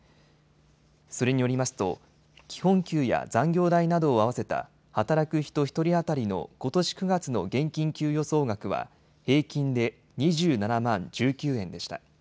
それによりますと基本給や残業代などを合わせた働く人１人当たりのことし９月の現金給与総額は平均で２７万１９円でした。